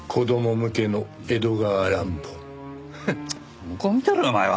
向こう見てろよお前は！